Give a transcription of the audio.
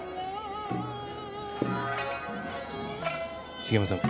茂山さん